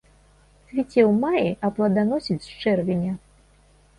Цвіце ў маі, а плоданасіць з чэрвеня.